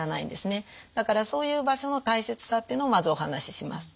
だからそういう場所の大切さっていうのをまずお話しします。